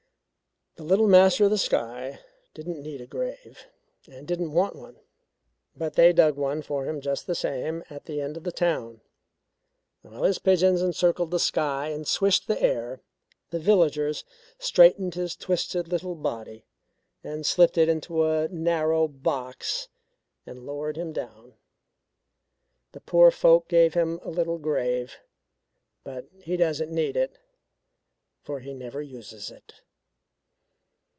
The Little Master of the Sky didn't need a grave and didn't want one. But they dug one for him just the same, at the end of the town. While his pigeons encircled the sky and swished the air, the villagers straightened his twisted, little body and slipped it into a narrow box, and lowered him down. The poor folk gave him a little grave, but he doesn't need it for he never uses it.